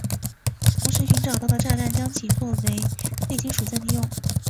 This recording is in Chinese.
同时寻找到的炸弹将其作为废金属再利用。